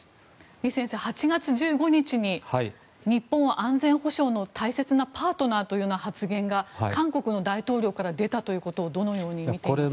李先生８月１５日に日本は安全保障の大切なパートナーという発言が韓国の大統領から出たということをどのように見ていますか。